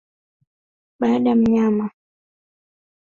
baadaye mnyama huyo huanza kupona polepole